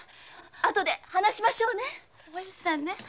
後で話しましょうね。